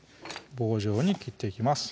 棒状に切っていきます